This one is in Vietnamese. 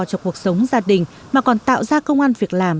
cho cuộc sống gia đình mà còn tạo ra công an việc làm